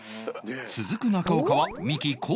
続く中岡はミキ昴